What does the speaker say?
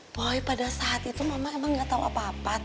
pokoknya pada saat itu mama emang nggak tahu apa apa